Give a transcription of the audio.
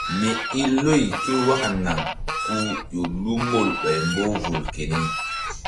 Mi i loy ké waka naŋ ku ƴo lu mol ɓay mboh vul keni.